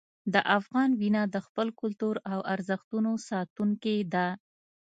د افغان وینه د خپل کلتور او ارزښتونو ساتونکې ده.